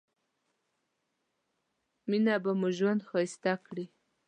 مينه به مو ژوند ښايسته کړي